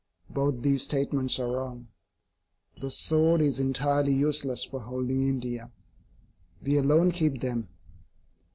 Both these statements are wrong. The sword is entirely useless for holding India. We alone keep them.